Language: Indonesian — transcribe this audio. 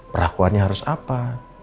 perakuannya harus apa